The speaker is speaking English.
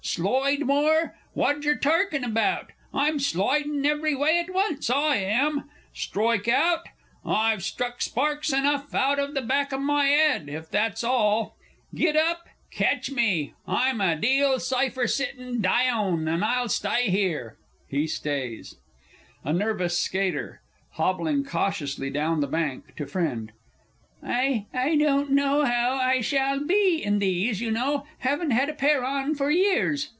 Sloide more? Whadjer torking about! I'm sloidin' every way at once, I am!... Stroike out? I've struck sparks enough out of the back o' my 'ed, if that's all!... Git up? Ketch me! I'm a deal syfer settin' dayown, and I'll sty 'ere! [He stays. A NERVOUS SKATER (hobbling cautiously down the bank to Friend). I I don't know how I shall be in these, you know haven't had a pair on for years.